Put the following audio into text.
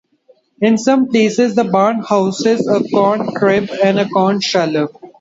In some places, the barn houses a corn crib and a corn sheller.